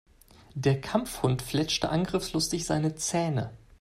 Der Kampfhund fletschte angriffslustig seine Zähne.